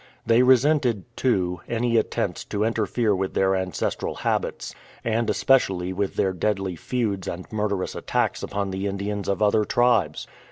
They resented, too, any attempts to interfere with their ancestral habits, and especially with their deadly feuds and murderous attacks upon the Indians of other tribes.